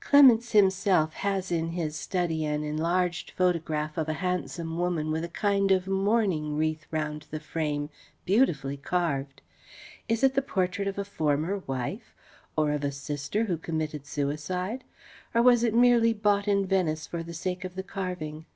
Clements himself has in his study an enlarged photograph of a handsome woman with a kind of mourning wreath round the frame beautifully carved. Is it the portrait of a former wife? Or of a sister who committed suicide? Or was it merely bought in Venice for the sake of the carving?